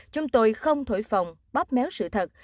chúng tôi không thổi phòng bóp méo sự thật